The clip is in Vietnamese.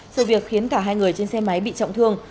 sự việc khiến cả hai người trên xe máy bị trọng thương